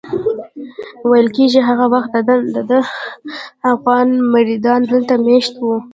ویل کېږي هغه وخت دده افغان مریدان دلته مېشت وو.